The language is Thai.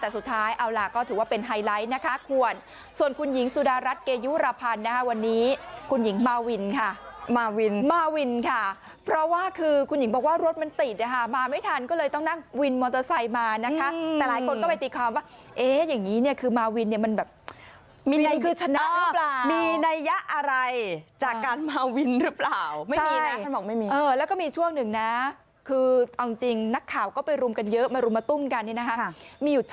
สุดท้ายเอาล่ะก็ถือว่าเป็นไฮไลท์นะคะควรส่วนคุณหญิงสุดารัสเกยุรพันธุ์นะคะวันนี้คุณหญิงมาวินค่ะมาวินมาวินค่ะเพราะว่าคือคุณหญิงบอกว่ารถมันติดนะคะมาไม่ทันก็เลยต้องนั่งวินมอเตอร์ไซต์มานะคะแต่หลายคนก็ไปติดความว่าเอ๊ยอย่างงี้เนี่ยคือมาวินเนี่ยมันแบบมีนายคือชนะหรือเปล่ามีนายะอะไร